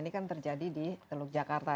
ini kan terjadi di teluk jakarta